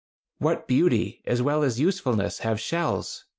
What beauty, as well as usefulness, have shells!